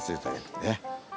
tapi saya ceritain ya